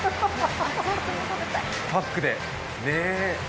パックで。